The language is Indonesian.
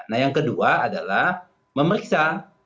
nah yang kedua adalah memeriksa